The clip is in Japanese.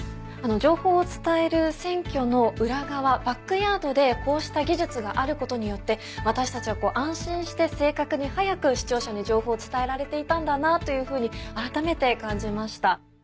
情報を伝える選挙の裏側バックヤードでこうした技術があることによって私たちは安心して正確に早く視聴者に情報を伝えられていたんだなというふうに改めて感じました。